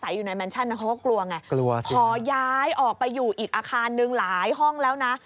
ย้ายออกไปอยู่อีกอาคารหนึ่งหลายห้องแล้วนะ